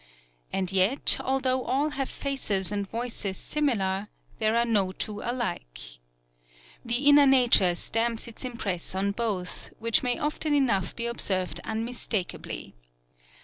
And yet, although all have faces and voices sim ilar, there are no two alike. The inner nature stamps its impress on both, which may often enough be observed unmistakably.